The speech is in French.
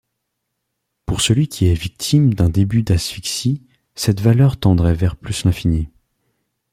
Pour celui qui est victime d'un début d'asphyxie cette valeur tendrait vers plus l'infini.